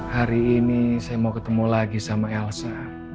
hari ini saya mau ketemu lagi sama elsa